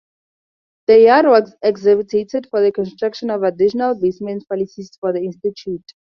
The yard was excavated for the construction of additional basement facilities for the institute.